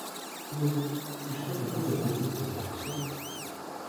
Ну, і што ад гэтага цяпер засталося?